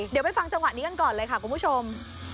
เดี๋ยวไปฟังจังหวะนี้กันก่อนเลยค่ะคุณผู้ชม